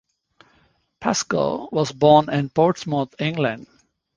Pascoe was born in Portsmouth, England.